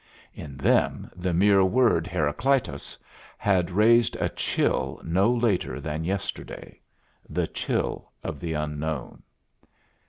In them the mere word Heracleitos had raised a chill no later than yesterday, the chill of the unknown.